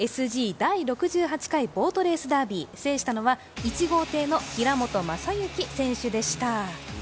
第６８回ボートレースダービー制したのは１号艇の平本真之選手でした。